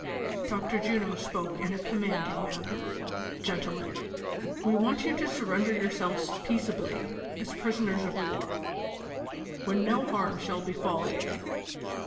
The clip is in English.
Dr. Juno spoke in a commanding manner : "Gentlemen, we want you to surrender yourselves peaceably as prisoners of war, when no harm shall befall you."